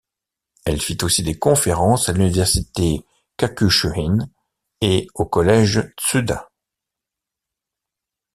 Elle fit aussi des conférences à l'université Gakushūin et au collège Tsuda.